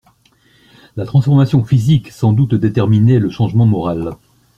La transformation physique, sans doute déterminait le changement moral.